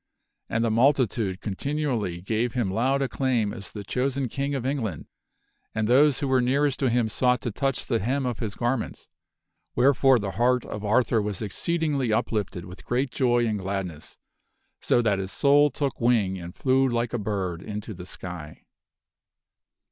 And the multitude continually gave him loud acclaim as the chosen King of England, and those who were nearest to him sought to touch the hem of his garments ; wherefore the heart of Arthur was exceedingly ARTHUR IS BELOVED OF ALL 35 uplifted with great joy and gladness, so that his soul took wing and flew like a bird into the sky.